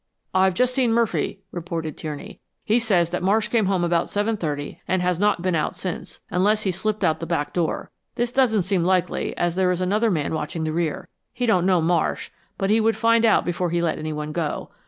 "I've just seen Murphy," reported Tierney. "He says that Marsh came home about seven thirty and has not been out since; unless he slipped out the back door. This doesn't seem likely as there is another man watching the rear. He don't know Marsh, but he would find out before he let anyone go.